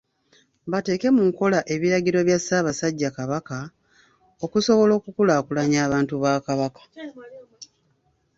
Bateeke mu nkola ebiragiro bya Ssaabasajja Kabaka, okusobola okukulaakulanya abantu ba Kabaka.